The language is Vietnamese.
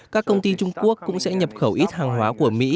các công ty trung quốc cũng sẽ nhập khẩu ít hàng hóa của mỹ